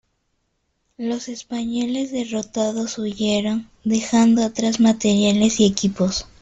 Los españoles derrotados huyeron, dejando atrás materiales y equipos.